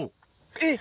えっ？